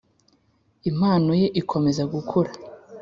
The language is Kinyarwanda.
impano ye ikomeza gukura